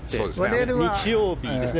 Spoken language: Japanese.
日曜日ですね。